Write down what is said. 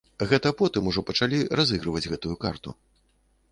Гэта потым ужо пачалі разыгрываць гэтую карту.